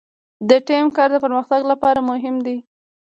د ټیم کار د پرمختګ لپاره مهم دی.